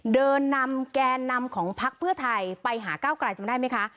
เดินนำแกนนำของพักเพื่อไทยไปหาก้าวกลายจำได้ไหมคะ